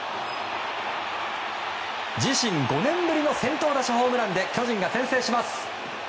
５年ぶりの先頭打者ホームランで巨人が先制します。